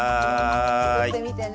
つくってみてね！